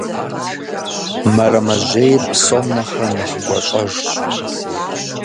Мэрэмэжьейр псом нэхърэ нэхъ гуащӀэжщ.